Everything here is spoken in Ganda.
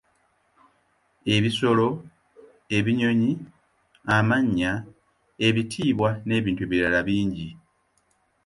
Ebisolo, ebinyonyi, amannya, ebitiibwa n’ebintu ebirala bingi